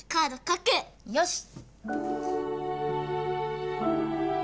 よし！